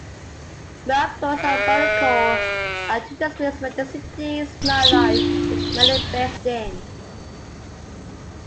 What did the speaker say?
Miraflores and Barranco are two districts where the city's nightlife is mainly based in.